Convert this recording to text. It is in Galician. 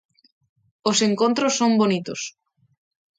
Os encontros son bonitos.